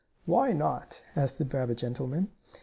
"Why, not?" asked the rabbit gentleman.